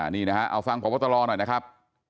นี่นะฮะเอาฟังพบตรหน่อยนะครับ